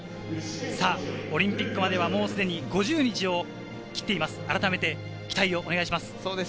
オリンピックまでは、すでに５０日を切っています。